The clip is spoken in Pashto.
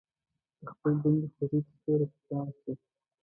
د خپلې دندې خوږې ترخې يې راته بيان کړې.